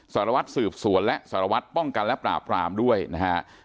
สารวัตรสืบสวนและสารวัตรป้องกันและปราบรามด้วยนะฮะ